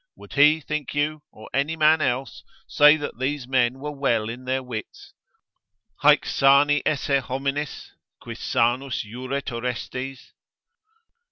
Would he, think you, or any man else, say that these men were well in their wits? Haec sani esse hominis quis sanus juret Orestes?